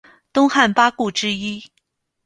东汉八顾之一。